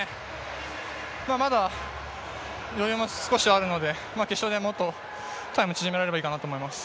まだ余裕も少しあるので決勝でもう少しタイムを縮められたらいいかなと思います。